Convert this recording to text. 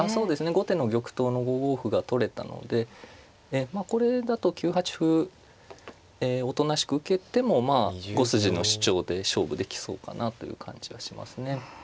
後手の玉頭の５五歩が取れたのでまあこれだと９八歩おとなしく受けてもまあ５筋の主張で勝負できそうかなという感じはしますね。